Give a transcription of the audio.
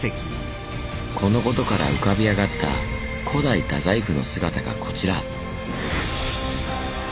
このことから浮かび上がった古代大宰府の姿がこちら！